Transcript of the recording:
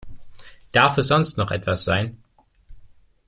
Darf es sonst noch etwas sein?